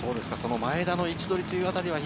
前田の位置取りという当たり。